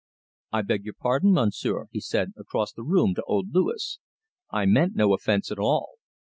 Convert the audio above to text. "I beg your pardon, Monsieur," he said across the room to old Louis; "I meant no offence at all.